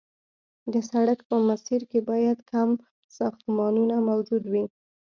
د سړک په مسیر کې باید کم ساختمانونه موجود وي